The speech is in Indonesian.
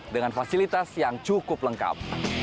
dengan fasilitas yang cukup lengkap